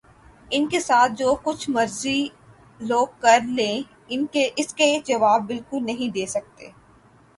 ان کے ساتھ جو کچھ مرضی لوگ کر لیں اس کے جواب بالکل نہیں دے سکتے